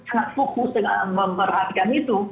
sangat fokus dengan memerankan itu